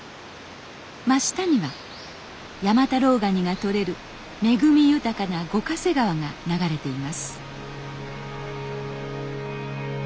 真下には山太郎ガニがとれる恵み豊かな五ヶ瀬川が流れています